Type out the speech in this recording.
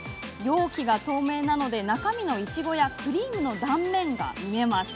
缶が透明なので中身のいちごやクリームの断面が見えます。